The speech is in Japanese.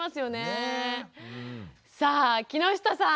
さあ木下さん。